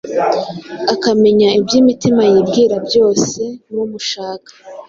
akamenya ibyo imitima yibwira byose; numushaka,